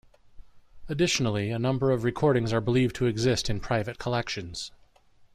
Additionally a number of recordings are believed to exist in private collections.